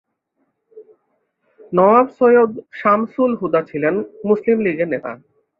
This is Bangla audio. নওয়াব সৈয়দ শামসুল হুদা ছিলেন মুসলিম লীগের নেতা।